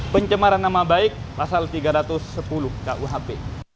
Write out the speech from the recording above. pencemaran nama baik pasal tiga ratus sepuluh kuhp